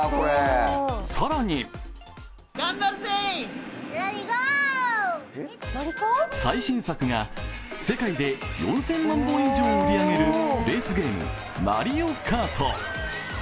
更に最新作が世界で４０００万本以上売り上げるレースゲーム「マリオカート」。